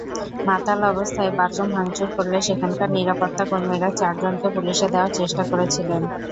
মাতাল অবস্থায় বাথরুম ভাঙচুর করলে সেখানকার নিরাপত্তাকর্মীরা চারজনকে পুলিশে দেওয়ার চেষ্টা করেছিলেন।